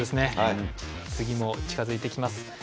次も近づいてきます。